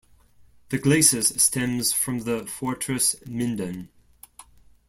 The "Glacis" stems from the Fortress Minden.